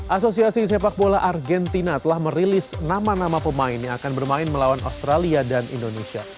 asosiasi sepak bola argentina telah merilis nama nama pemain yang akan bermain melawan australia dan indonesia